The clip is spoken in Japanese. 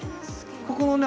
ここのね